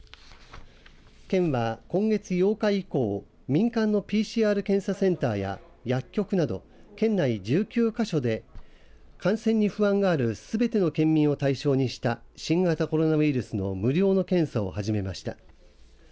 県は、今月８日以降民間のＰＣＲ検査センターや薬局など、県内１９か所で感染に不安があるすべての県民を対象にした新型コロナウイルスの無料の検査を始めました。